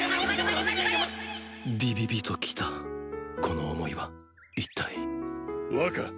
ビビビときたこの思いはいったい若。